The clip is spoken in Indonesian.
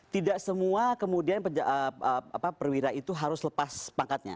tidak semua kemudian perwira itu harus lepas pangkatnya